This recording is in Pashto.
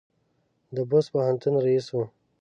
د بُست پوهنتون رییس و.